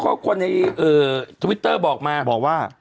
เพราะคนทวิตเตอร์บอกมา